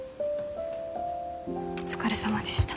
お疲れさまでした。